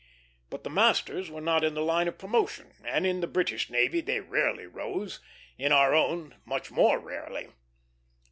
But the masters were not in the line of promotion; in the British navy they rarely rose, in our own much more rarely.